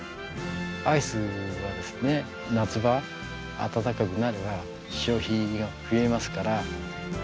アイスがですね夏場暖かくなれば消費が増えますから。